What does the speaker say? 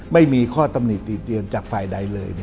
ไม่มีข้อตำหนิติเตียนจากฝ่ายใดเลย